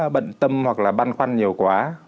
bận tâm hoặc là băn khoăn nhiều quá